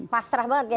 pastrah banget ya